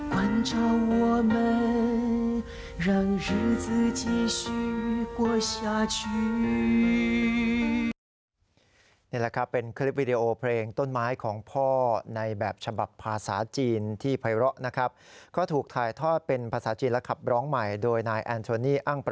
ก่อนเจ้าว่ามันยังรู้สึกชิ้นกว่าช้าชิ้น